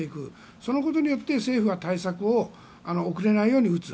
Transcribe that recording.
そのことによって政府が対策を遅れないように打つ。